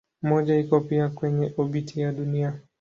Mmoja iko pia kwenye obiti ya Dunia.